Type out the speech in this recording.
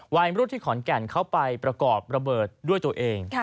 วัยรุ่นที่ขอนแก่นเข้าไปประกอบระเบิดด้วยตัวเอง